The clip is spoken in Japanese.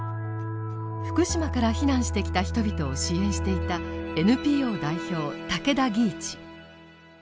福島から避難してきた人々を支援していたＮＰＯ代表竹田義一。